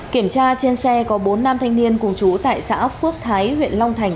kiểm tra trên xe có bốn nam thanh niên cùng chú tại xã phước thái huyện long thành